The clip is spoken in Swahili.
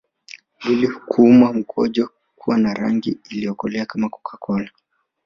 Mwili kuuma mkojo kuwa na rangi iliyokolea kama CocaCola